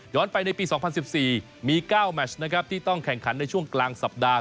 ไปในปี๒๐๑๔มี๙แมชนะครับที่ต้องแข่งขันในช่วงกลางสัปดาห